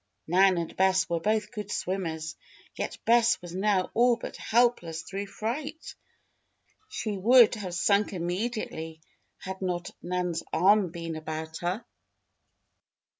Nan and Bess were both good swimmers; yet Bess was now all but helpless through fright. She would have sunk immediately had not Nan's arm been about her.